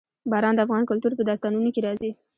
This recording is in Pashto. باران د افغان کلتور په داستانونو کې راځي.